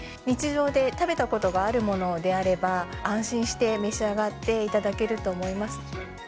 日常で食べたことがあるものであれば、安心して召し上がっていただけると思います。